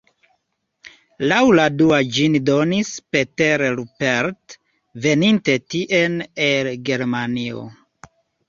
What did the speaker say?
Laŭ la dua ĝin donis "Peter Rupert" veninta tien el Germanio.